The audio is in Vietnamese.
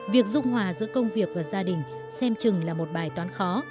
việc dung hòa giữa công việc và gia đình xem chừng là một bài toán khó